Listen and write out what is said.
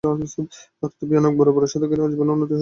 তথাপি অনেক বড় বড় সাধকের জীবনে উন্নতিও হয়েছে এই ভাবের মধ্য দিয়ে।